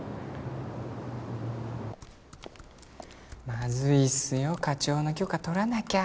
まずいっすよ課長の許可取らなきゃ。